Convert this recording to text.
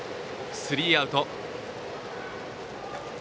スリーアウト。